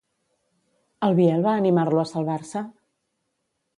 El Biel va animar-lo a salvar-se?